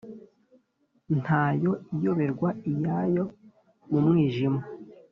Ntayo iyoberwa iyayo mu mwijima.